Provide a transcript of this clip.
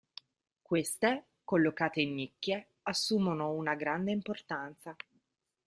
Queste, collocate in nicchie, assumono una grande importanza.